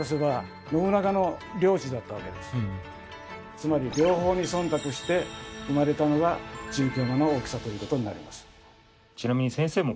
つまり両方に忖度して生まれたのが中京間の大きさということになります。